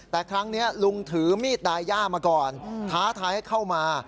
แต่ครั้งนี้ลุงถือมีดดายย่ามาก่อนท้าทายให้เข้ามา